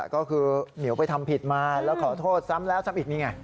ก็คือเหมียวไปทำผิดมาแล้วขอโทษซ้ำแล้วซ้ำอีกนี่ไง